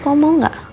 kamu mau gak